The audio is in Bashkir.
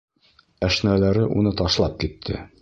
Әшнәләре уны ташлап китте.